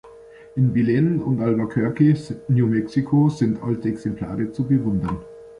In Belen und Albuquerque, New Mexico, sind alte Exemplare zu bewundern.